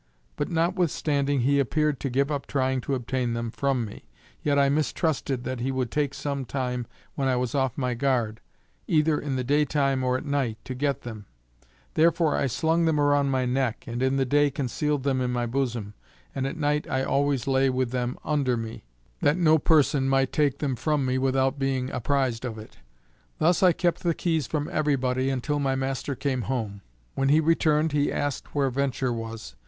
But notwithstanding he appeared to give up trying to obtain them from me, yet I mistrusted that he would take some time when I was off my guard, either in the day time or at night to get them, therefore I slung them around my neck, and in the day concealed them in my bosom, and at night I always lay with them under me, that no person might take them from me without being apprized of it. Thus I kept the keys from every body until my master came home. When he returned he asked where VENTURE was.